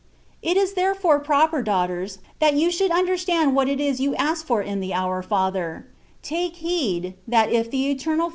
It is therefore proper, daughters, that you should un derstand what it is you ask for in the ^' Our Father;" take heed, that if the Eternal Father I.